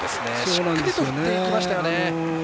しっかりと振っていきましたよね。